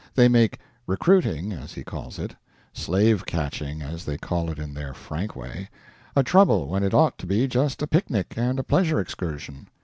They make "Recruiting," as he calls it ("Slave Catching," as they call it in their frank way) a trouble when it ought to be just a picnic and a pleasure excursion.